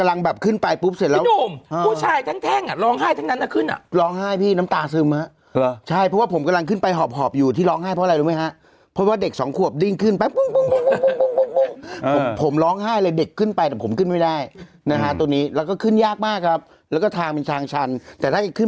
แล้วก็มีการไปขีดเขียนเนอะ